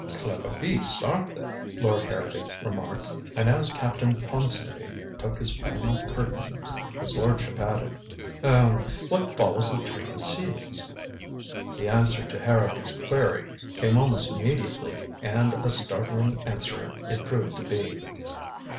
"Clever beasts, aren't they?" Lord Harrowby remarked. And as Captain Ponsonby took his final curtain, his lordship added: "Er what follows the trained seals?" The answer to Harrowby's query came almost immediately, and a startling answer it proved to be.